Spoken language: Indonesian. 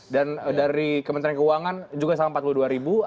dan dari kementerian keuangan juga sama rp empat puluh dua ya pak angger betul ya